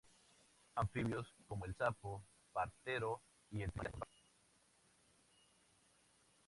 Anfibios como el sapo partero y el tritón habitan en los pozos del parque.